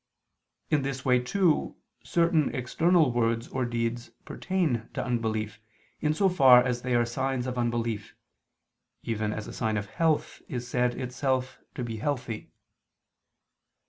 In this way too, certain external words or deeds pertain to unbelief, in so far as they are signs of unbelief, even as a sign of health is said itself to be healthy.